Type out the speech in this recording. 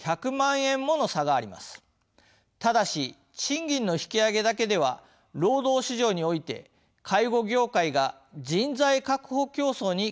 ただし賃金の引き上げだけでは労働市場において介護業界が人材確保競争に勝てるわけではありません。